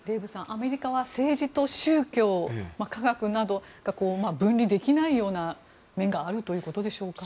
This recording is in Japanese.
アメリカは政治と宗教科学などが分離できないような面があるということでしょうか。